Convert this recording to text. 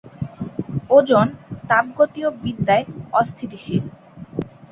Ozone তাপগতীয়বিদ্যায় অস্থিতিশীল।